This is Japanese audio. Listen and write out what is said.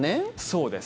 そうです。